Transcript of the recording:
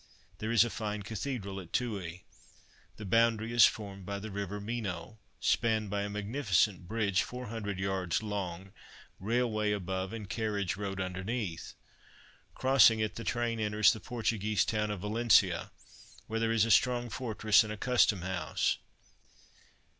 There is a fine cathedral at Tuy. The boundary is formed by the river Minho, spanned by a magnificent bridge 400 yards long, railway above and carriage road underneath. Crossing it the train enters the Portuguese town of VALENÇA, where there is a strong fortress and a custom house.